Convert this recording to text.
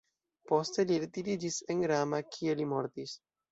Poste li retiriĝis en Rama kie li mortis.